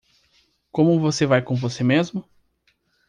Como você vai com você mesmo?